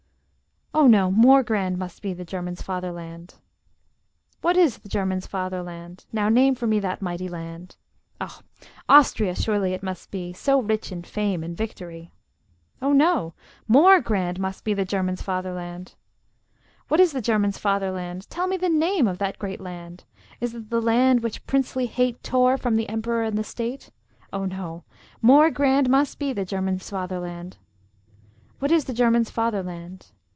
Oh no! more grand Must be the German's fatherland! What is the German's fatherland? Now name for me that mighty land! Ah! Austria surely it must be, So rich in fame and victory. Oh no! more grand Must be the German's fatherland! What is the German's fatherland? Tell me the name of that great land! Is it the land which princely hate Tore from the Emperor and the State? Oh no! more grand Must be the German's fatherland! What is the German's fatherland?